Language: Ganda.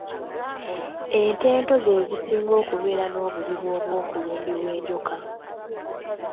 Ente ento ze zisinga okubeera n’obuzibu bw’okulumbibwa enjoka.